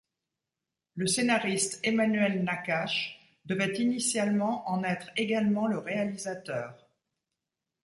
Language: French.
Le scénariste Emmanuel Naccache devait initialement en être également le réalisateur.